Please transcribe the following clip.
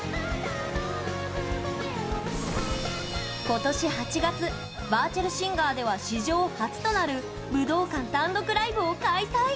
今年８月バーチャルシンガーでは史上初となる武道館単独ライブを開催！